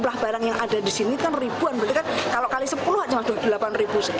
jumlah barang yang ada di sini kan ribuan berarti kan kalau kali sepuluh hanya dua puluh delapan ribu sekian